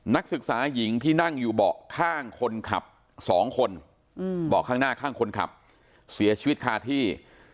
นักศึกษาหญิงที่นั่งอยู่เบาะข้างคนขับ๒คนเบาะข้างหน้าข้างคนขับเสียชีวิตคาที่